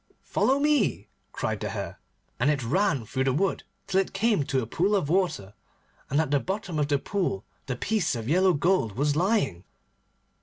'Follow me,' cried the Hare, and it ran through the wood till it came to a pool of water. And at the bottom of the pool the piece of yellow gold was lying.